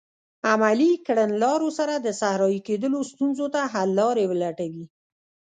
عملي کړنلارو سره د صحرایې کیدلو ستونزو ته حل لارې ولټوي.